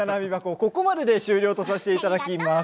ここまでで終了とさせていただきます。